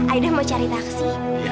aida mau cari taksi